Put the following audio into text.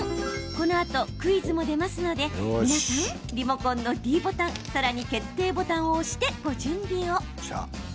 このあとクイズも出ますので皆さん、リモコンのｄボタンさらに決定ボタンを押してご準備を。